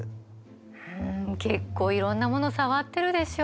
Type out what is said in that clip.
うん結構いろんなもの触ってるでしょ。